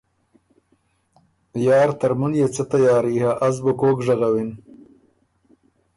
”یار ترمُن يې څۀ تیاري هۀ از بُو کوک ژغوِن۔